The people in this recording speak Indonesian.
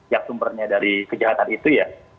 yang sumbernya dari kejahatan itu ya